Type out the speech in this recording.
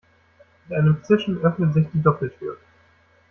Mit einem Zischen öffnet sich die Doppeltür.